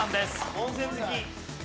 温泉好き。